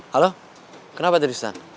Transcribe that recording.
halo kenapa dari setan